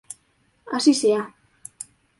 Así sea.